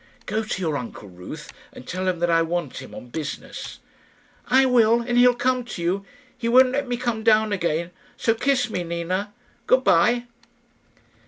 "Go to your uncle, Ruth, and tell him that I want him on business." "I will, and he'll come to you. He won't let me come down again, so kiss me, Nina; good bye."